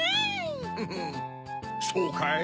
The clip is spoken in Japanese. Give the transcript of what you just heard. フフっそうかい？